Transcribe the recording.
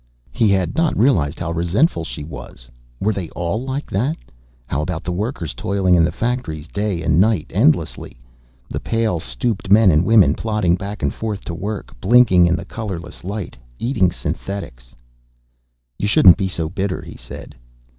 He had not realized how resentful she was. Were they all like that? How about the workers toiling in the factories, day and night, endlessly? The pale, stooped men and women, plodding back and forth to work, blinking in the colorless light, eating synthetics "You shouldn't be so bitter," he said.